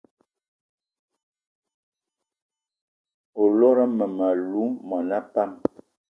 O lot mmem- alou mona pam?